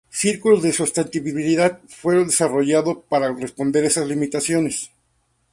Círculos de Sostenibilidad fue desarrollado para responder a esas limitaciones.